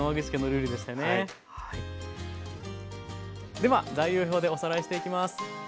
では材料表でおさらいしていきます。